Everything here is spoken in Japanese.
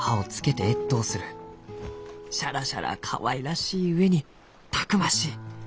しゃらしゃらかわいらしい上にたくましい。